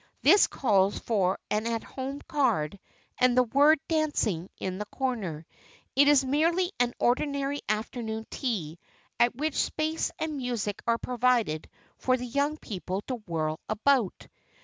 This calls for an "At Home" card and the word "Dancing" in the corner. It is merely an ordinary afternoon tea at which space and music are provided for the young people to whirl about.